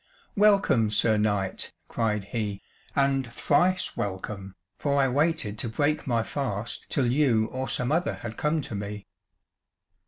"Welcome, Sir Knight," cried he, "and thrice welcome, for I waited to break my fast till you or some other had come to me."